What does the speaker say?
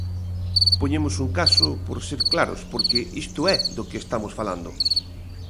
Poñemos un caso, por ser claros, porque isto é do que estamos falando.